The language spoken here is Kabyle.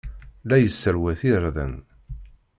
La yesserwat irden.